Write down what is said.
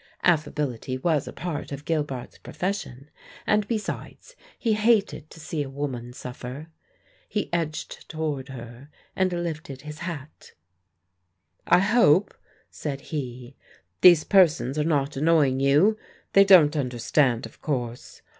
Affability was a part of Gilbart's profession, and besides, he hated to see a woman suffer. He edged toward her and lifted his hat. "I hope," said he, "these persons are not annoying you? They don't understand, of course.